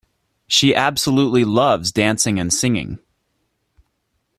She absolutely loves dancing and singing.